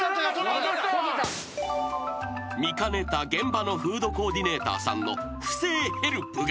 ［見かねた現場のフードコーディネーターさんの不正ヘルプが］